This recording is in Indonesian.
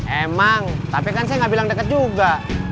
emang tapi kan saya nggak bilang deket juga